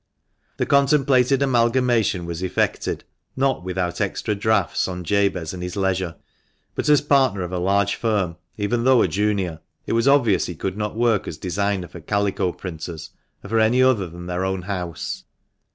The contemplated amalgamation was effected, not without extra draughts on Jabez and his leisure. But as partner of a large firm; even though a junior, it was obvious he could not work as designer for calico printers, or for any other than their own house.